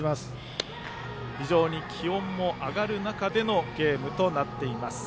非常に気温も上がる中でのゲームとなっています。